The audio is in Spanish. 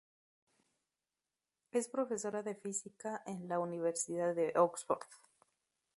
Es profesora de física en la Universidad de Oxford.